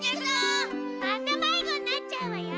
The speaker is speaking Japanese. またまいごになっちゃうわよ！